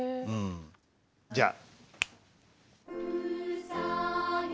じゃあ。